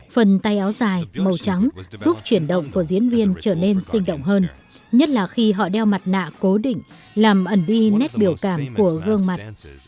phần tay áo dài màu trắng giúp chuyển động của diễn viên trở nên sinh động hơn nhất là khi họ đeo mặt nạ cố định làm ẩn đi nét biểu cảm của gương mặt